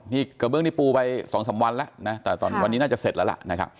นี่เกมืองนี่ปูไปสองสามวันแล้วนะแต่ตอนวันนี้น่าจะเสร็จแล้วล่ะนะครับ